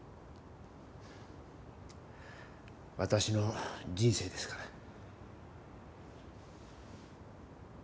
私の人生ですから。